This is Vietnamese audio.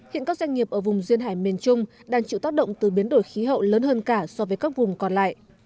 hiện các doanh nghiệp ở vùng duyên hải miền trung đang chịu tác động từ biến đổi khí hậu lớn hơn cả so với các vùng còn lại